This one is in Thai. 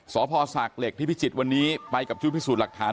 สพศากเหล็กที่พิจิตรวันนี้ไปกับชุดพิสูจน์หลักฐาน